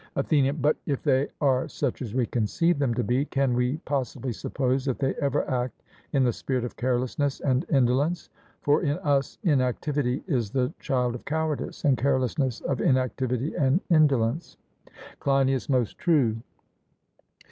ATHENIAN: But, if they are such as we conceive them to be, can we possibly suppose that they ever act in the spirit of carelessness and indolence? For in us inactivity is the child of cowardice, and carelessness of inactivity and indolence. CLEINIAS: Most true.